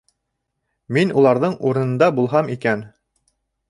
Мин уларҙың урынында булһам икән!